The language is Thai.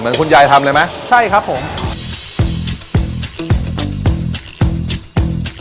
เหมือนคุณยายทำเลยไหม